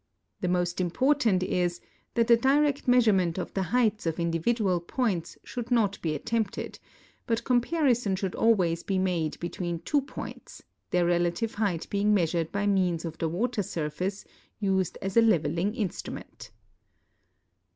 The most important is that the direct measurement of the heights of individual points should not be attempted, but com parison should alwa3^s be made between two points, their relative height being measured b3^ means of the water surface used as a leveling instrument.